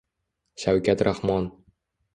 Shavkat Rahmon